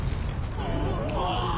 うわ！